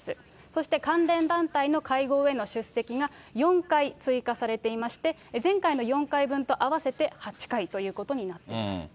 そして関連団体の会合への出席が４回追加されていまして、前回の４回分と合わせて８回ということになっています。